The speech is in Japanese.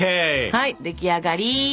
はい出来上がり。